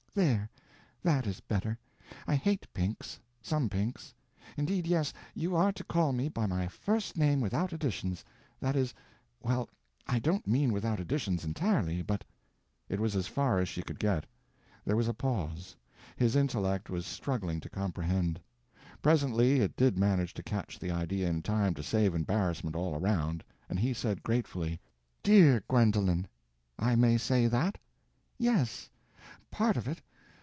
"There—that is better. I hate pinks—some pinks. Indeed yes, you are to call me by my first name without additions—that is,—well, I don't mean without additions entirely, but—" It was as far as she could get. There was a pause; his intellect was struggling to comprehend; presently it did manage to catch the idea in time to save embarrassment all around, and he said gratefully— "Dear Gwendolen! I may say that?" "Yes—part of it.